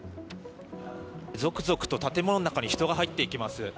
続々と建物の中に人が入っていきます。